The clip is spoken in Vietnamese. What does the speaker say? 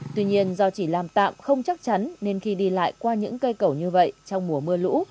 tuy nhiên do chỉ làm tạm không chắc chắn nên khi đi lại qua những cây cầu như vậy trong mùa mưa lũ